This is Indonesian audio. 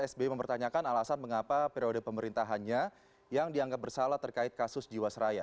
sbi mempertanyakan alasan mengapa periode pemerintahannya yang dianggap bersalah terkait kasus jiwasraya